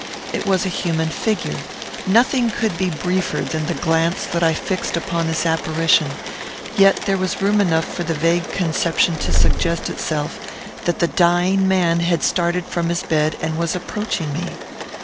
It was a human figure. Nothing could be briefer than the glance that I fixed upon this apparition; yet there was room enough for the vague conception to suggest itself, that the dying man had started from his bed and was approaching me.